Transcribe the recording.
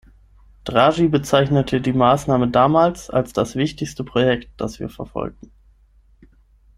Draghi bezeichnete die Maßnahme damals als das „wichtigste Projekt, das wir verfolgen“.